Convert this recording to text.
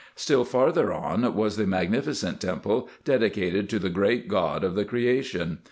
Still farther on was the magnificent temple dedicated to the great God of the creation.